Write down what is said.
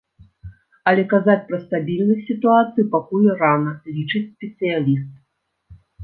Але казаць пра стабільнасць сітуацыі пакуль рана, лічыць спецыяліст.